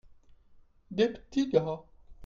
des petits gars.